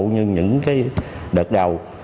như những cái đợt đầu